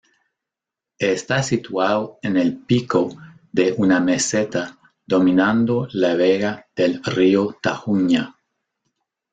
Está situado en el pico de una meseta dominando la vega del río Tajuña.